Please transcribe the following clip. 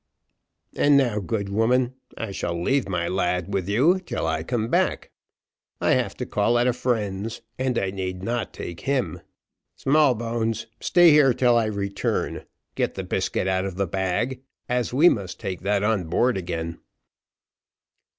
"And now, good woman, I shall leave my lad with you, till I come back. I have to call at a friend's, and I need not take him. Smallbones, stay here till I return; get the biscuit out of the bag, as we must take that on board again."